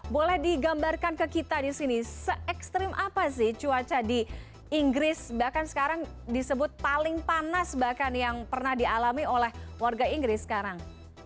boleh digambarkan ke kita di sini se ekstrim apa sih cuaca di inggris bahkan sekarang disebut paling panas bahkan yang pernah dialami oleh warga inggris sekarang